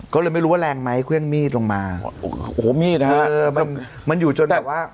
ก็เลยไม่รู้ว่าแรงไหมเครื่องมีดลงมาโอ้โหมีดฮะเออมันมันอยู่จนแบบว่า